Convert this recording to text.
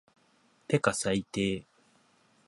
てか最低